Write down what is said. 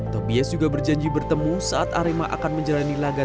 tobias juga berjanji bertemu saat arema akan menjalani lukisan